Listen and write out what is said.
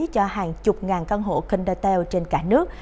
cho hàng chục ngàn căn hộ kindertel trên cả nước